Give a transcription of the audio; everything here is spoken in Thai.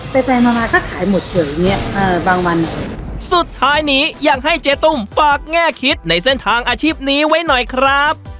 ไปไปมามาก็ขายหมดเฉยอย่างเงี้ยเอ่อบางวันสุดท้ายนี้อยากให้เจ๊ตุ้มฝากแง่คิดในเส้นทางอาชีพนี้ไว้หน่อยครับ